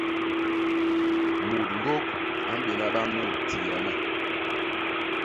Mut ñgôk a mbéna ba mut diyana.